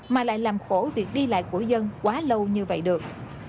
mà lại làm khổ việc đi lại của dân quá lâu như vậy được